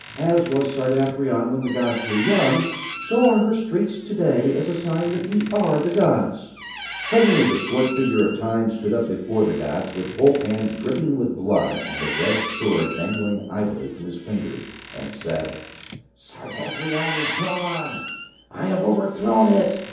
As was Sardathrion when the gods were young, so are her streets to day as a sign that we are the gods." Suddenly the swart figure of Time stood up before the gods, with both hands dripping with blood and a red sword dangling idly from his fingers, and said: "Sardathrion is gone! I have overthrown it!"